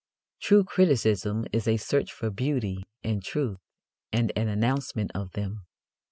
True criticism is a search for beauty and truth and an announcement of them.